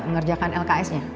mengerjakan lks nya